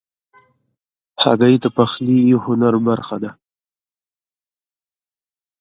هګۍ د پخلي هنر برخه ده.